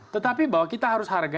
tetapi bahwa kita harus hargai